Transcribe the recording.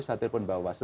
saya telepon bawaslu